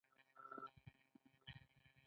مکافات څنګه مامور هڅوي؟